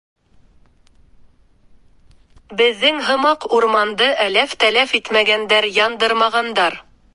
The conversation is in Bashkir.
Беҙҙең һымаҡ урманды әләф-тәләф итмәгәндәр, яндырмағандар.